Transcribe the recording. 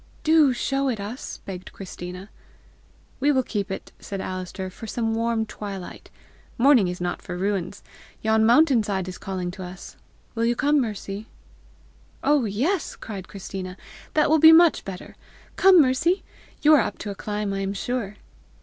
"Do show it us," begged Christina. "We will keep it," said Alister, "for some warm twilight. Morning is not for ruins. Yon mountain side is calling to us. Will you come, Mercy?" "Oh yes!" cried Christina; "that will be much better! Come, Mercy! You are up to a climb, I am sure!"